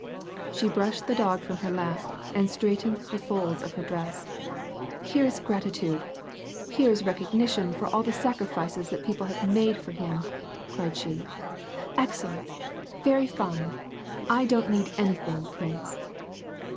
She brushed the dog from her lap and straightened the folds of her dress. " Here is grati tude, here's recognition for all the sacrifices that people have made for him !" cried she. "Excellent ! Very fine ! I don't need anything, prince."